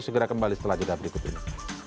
segera kembali setelah jeda berikut ini